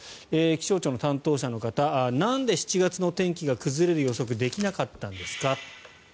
気象庁の担当者の方なんで７月の天気が崩れる予想ができなかったんですか。